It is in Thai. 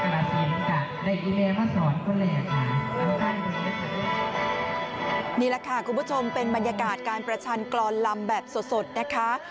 นี่แหละค่ะคุณผู้ชมเป็นบรรยากาศการประชันกรอนลำแบบสดนะคะ